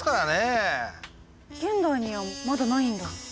現代にはまだないんだ。